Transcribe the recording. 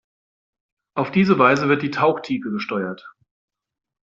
Auf diese Weise wird die Tauchtiefe gesteuert.